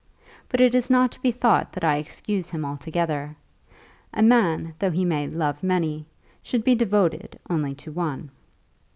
But it is not to be thought that I excuse him altogether. A man, though he may love many, should be devoted only to one.